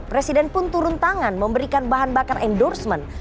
presiden pun turun tangan memberikan bahan bakar endorsement